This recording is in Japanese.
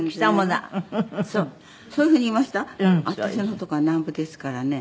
私の所は南部ですからね